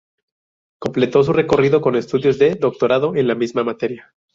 Completó su recorrido con estudios de doctorado en la misma materia.